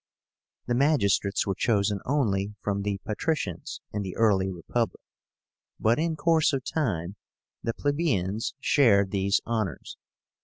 The magistrates were chosen only from the patricians in the early republic; but in course of time the plebeians shared these honors.